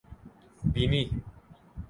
بینی